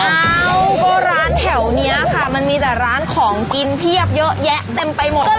เอ้าก็ร้านแถวนี้ค่ะมันมีแต่ร้านของกินเพียบเยอะแยะเต็มไปหมดเลย